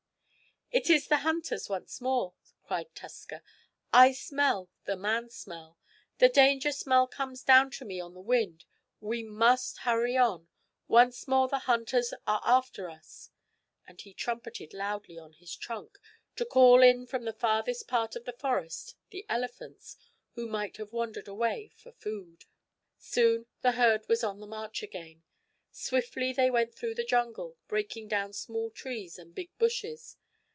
"It is the hunters once more!" cried Tusker. "I smell the man smell! The danger smell comes down to me on the wind. We must hurry on. Once more the hunters are after us!" and he trumpeted loudly on his trunk, to call in from the farthest parts of the forest the elephants who might have wandered away for food. Soon the herd was on the march again. Swiftly they went through the jungle, breaking down small trees and big bushes.